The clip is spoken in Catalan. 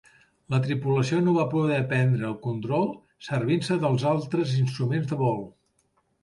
La tripulació no va poder prendre el control servint-se dels altres instruments de vol.